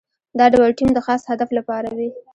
دا ډول ټیم د خاص هدف لپاره وي.